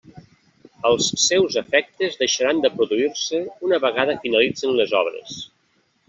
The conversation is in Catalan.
Els seus efectes deixaran de produir-se una vegada finalitzin les obres.